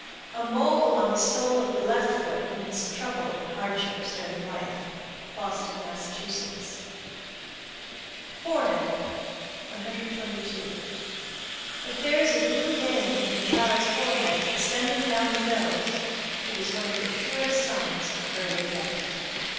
A mole on the sole of the left foot means trouble and hardships during life. Boston, Mass. FOREHEAD. 122. If there is a blue vein in the child's forehead extending down upon the nose, it is one of the surest signs of early death.